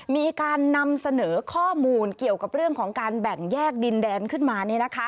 มีการนำเสนอข้อมูลเกี่ยวกับเรื่องของการแบ่งแยกดินแดนขึ้นมา